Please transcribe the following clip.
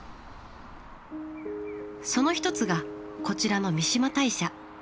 その一つがこちらの三嶋大社。